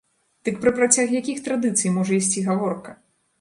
Дык пра працяг якіх традыцый можа ісці гаворка?!